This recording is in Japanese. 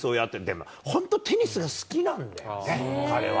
でも本当、テニスが好きなんだよね、彼は。